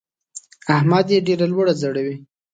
احمد يې ډېره لوړه ځړوي.